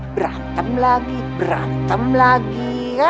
berantem lagi berantem lagi